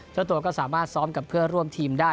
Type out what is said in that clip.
เจ้าตัวก็สามารถซ้อมกับเพื่อนร่วมทีมได้